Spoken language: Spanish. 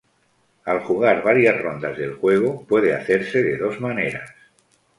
Al jugar varias rondas del juego, puede hacerse de dos maneras.